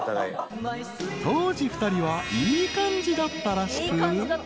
［当時２人はいい感じだったらしく］